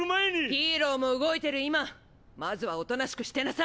ヒーローも動いてる今まずはおとなしくしてなさい！